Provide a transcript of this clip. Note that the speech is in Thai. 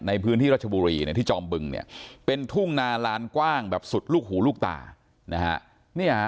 ในพื้นที่รัชบุรีที่จอมบึงเนี่ยเป็นทุ่งนาลานกว้างแบบสุดลูกหูลูกตานะฮะ